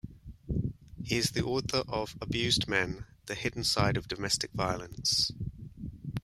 He is the author of "Abused Men - The Hidden Side of Domestic Violence".